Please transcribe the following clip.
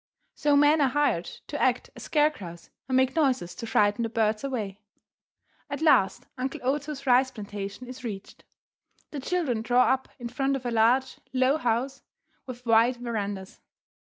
So men are hired to act as scarecrows and make noises to frighten the birds away. At last Uncle Oto's rice plantation is reached. The children draw up in front of a large, low house with wide verandas.